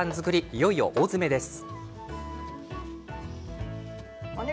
いよいよ大詰めです。